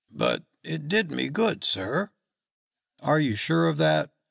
"But it did me good, sir?" "Are you sure of that?